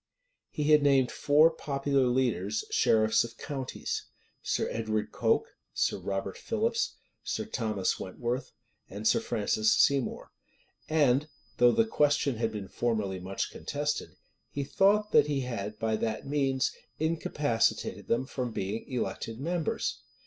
He had named four popular leaders, sheriffs of counties; Sir Edward Coke, Sir Robert Philips, Sir Thomas Wentworth, and Sir Francis Seymour; and, though the question had been formerly much contested,[] he thought that he had by that means incapacitated them from being elected members.